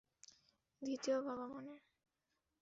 দ্বিতীয় বাবা মানে?